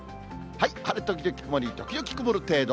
晴れ時々曇り、時々曇る程度。